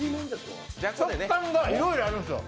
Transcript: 食感がいろいろあるんですよ。